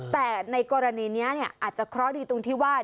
แต่ในกรณีนี้อาจจะเคราะห์ดีตรงที่ว่า